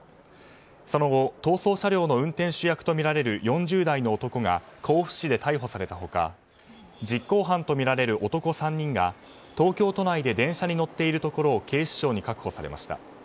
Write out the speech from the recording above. その後、逃走車両の運転手役とみられる４０代の男が甲府市で逮捕された他実行犯とみられる男３人が東京都内で電車に乗っているところを警視庁に確保されました。